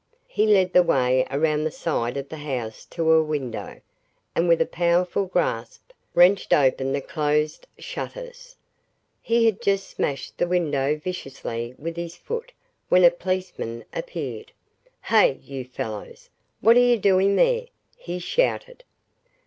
He led the way around the side of the house to a window, and with a powerful grasp, wrenched open the closed shutters. He had just smashed the window viciously with his foot when a policeman appeared. "Hey, you fellows what are you doing there?" he shouted.